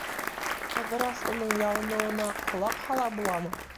Ҡыҙырас уның ялыныуына ҡолаҡ һала буламы?!